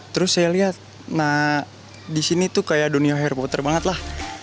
terus saya lihat di sini tuh kayak dunia hair potter banget lah